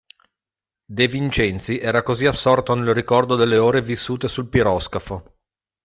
De Vincenzi era così assorto nel ricordo delle ore vissute sul piroscafo.